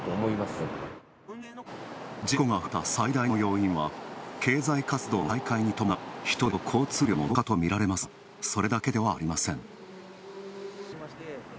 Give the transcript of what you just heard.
事故が増えた最大の要因は経済活動の再開に伴う人出と交通量の増加とみられますが、それだけではありません。